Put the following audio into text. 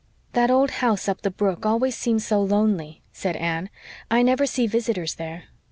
"That old house up the brook always seems so lonely," said Anne. "I never see visitors there.